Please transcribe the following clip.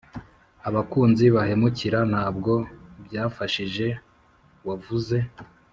abakunzi bahemukira. ntabwo byafashije. wavuze